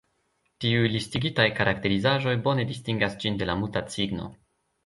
Tiuj listigitaj karakterizaĵoj bone distingas ĝin de la Muta cigno.